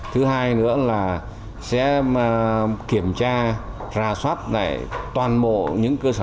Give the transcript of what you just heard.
thứ hai nữa là sẽ kiểm tra ra soát này toàn bộ những cơ sở